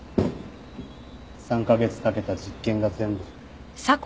３カ月かけた実験が全部。